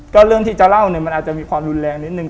ก็เรื่องที่จะเล่าเนี่ยมันอาจจะมีความรุนแรงนิดนึง